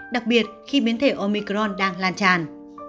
đặc biệt khi biến thể omicron đang lan tràn